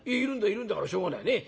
いるんだからしょうがないねえ。